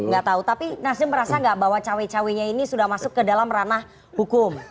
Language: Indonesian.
gak tau tapi nasdem merasa gak bahwa cewek ceweknya ini sudah masuk ke dalam ranah hukum